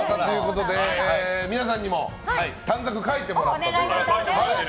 皆さんにも短冊を書いてもらったということで。